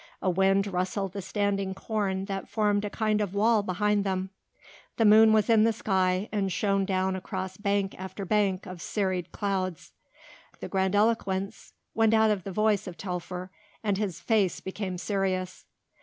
A wind rustled the standing corn that formed a kind of wall behind them. The moon was in the sky and shone down across bank after bank of serried clouds. The grandiloquence went out of the voice of Telfer and his face became serious.